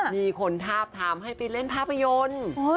มีคนทาบทามให้ไปเล่นภาพยนตร์